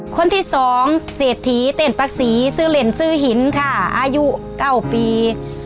คนที่สองเศรษฐีเต้นปรักษีซื้อเล่นซื้อหินค่ะอายุ๙ปี